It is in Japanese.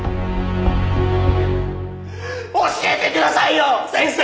教えてくださいよ先生！